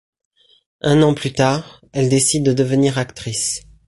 Un an plus tard, elle décide de devenir actrice.